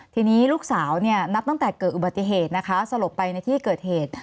ทีนี้ลูกสาวเนี่ยนับตั้งแต่เกิดอุบัติเหตุนะคะสลบไปในที่เกิดเหตุ